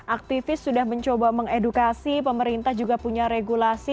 aktivis sudah mencoba mengedukasi pemerintah juga punya regulasi